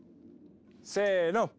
せの！